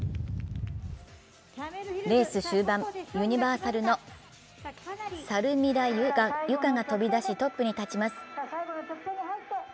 レース終盤、ユニバーサルの猿見田裕香が飛び出しトップに立ちます。